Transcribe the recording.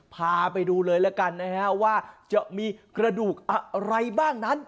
พาไปดูเลยแล้วกันนะฮะว่าจะมีกระดูกอะไรบ้างนั้น